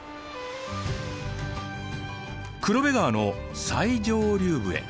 黒部川の最上流部へ。